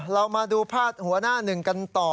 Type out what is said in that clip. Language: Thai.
เรามาดูพาดหัวหน้าหนึ่งกันต่อ